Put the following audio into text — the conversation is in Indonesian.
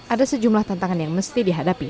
ada sejumlah tantangan yang mesti dihadapi